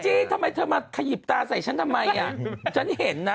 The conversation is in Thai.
ทำไมเธอมาขยิบตาใส่ฉันทำไมอ่ะฉันเห็นนะ